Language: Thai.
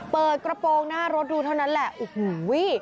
เปิดกระโปรงหน้ารถดูเท่านั้นแหละโอ้โห